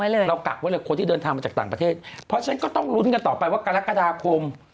อ๋อรอเปิดหน้าฟ้าใช่ไหม